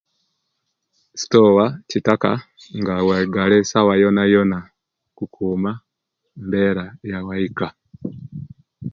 Sitowa kitaka nga waigale sawa yoyona kukuma embera yawaika